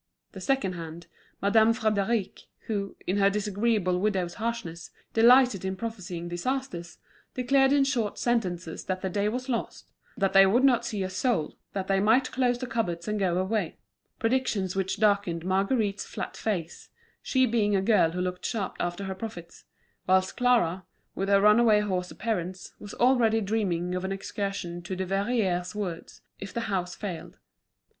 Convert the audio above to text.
The second hand, Madame Frédéric, who, in her disagreeable widow's harshness, delighted in prophesying disasters, declared in short sentences that the day was lost, that they would not see a soul, that they might close the cupboards and go away; predictions which darkened Marguerite's flat face, she being a girl who looked sharp after her profits, whilst Clara, with her runaway horse appearance, was already dreaming of an excursion to the Verrières woods, if the house failed.